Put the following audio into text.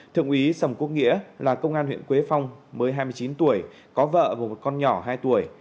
thượng úy sầm quốc nghĩa là công an huyện quế phong mới hai mươi chín tuổi có vợ và một con nhỏ hai tuổi